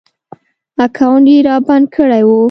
اکاونټ ېې رابند کړی و